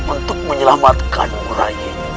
untuk menyelamatkan rai